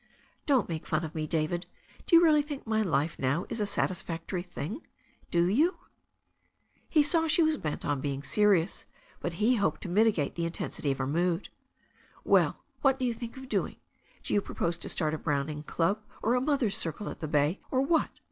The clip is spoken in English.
"Don't make fun of me, David. Do you really think my life now is a satisfactory thing ? Do you ?" He saw she was bent on being serious, but he hoped to mitigate the intensity of her mood. "Well, what do you think of doing? Do you propose to start a Browning club or a mothers' circle at the bay, or what?"